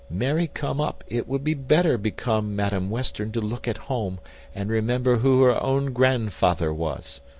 Marry come up! it would better become Madam Western to look at home, and remember who her own grandfather was.